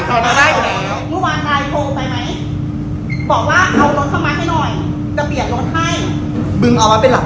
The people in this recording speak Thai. ก็โบนว่าเหมือนกันเพราะฉะนั้นเนี่ยฉันโทรหาเธอบอกว่ามีเรื่องความที่เธอคุย